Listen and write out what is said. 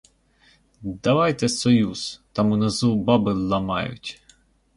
Давайте союз; там унизу баби ламають.